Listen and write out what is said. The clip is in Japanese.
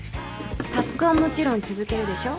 匡はもちろん続けるでしょ？